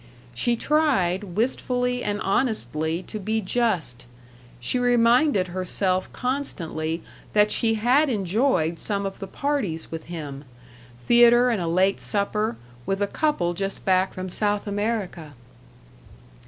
She tried, wistfully and honestly, to be just. She reminded herself constantly that she had enjoyed some of the parties with him theater and a late supper, with a couple just back from South America.